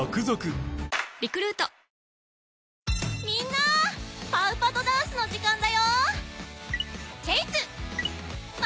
みんなパウパトダンスの時間だよ！